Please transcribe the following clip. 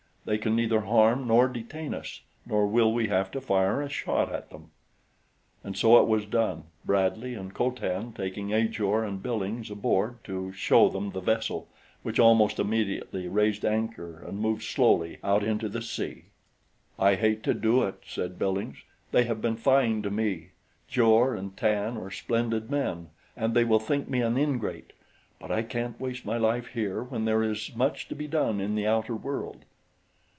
They can neither harm nor detain us, nor will we have to fire a shot at them." And so it was done, Bradley and Co Tan taking Ajor and Billings aboard to "show" them the vessel, which almost immediately raised anchor and moved slowly out into the sea. "I hate to do it," said Billings. "They have been fine to me. Jor and Tan are splendid men and they will think me an ingrate; but I can't waste my life here when there is so much to be done in the outer world."